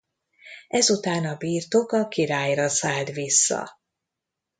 Ezután a birtok a királyra szállt vissza.